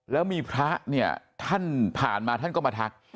แล้วมีพระเนี่ยท่านผ่านมาท่านก็มาทัก